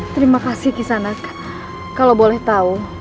terima kasih kisana kalau boleh tahu